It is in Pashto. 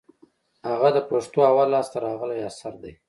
هغه د پښتو اول لاس ته راغلى اثر دئ.